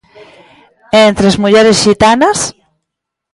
E entre as mulleres xitanas?